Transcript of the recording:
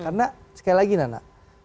karena sekali lagi nanda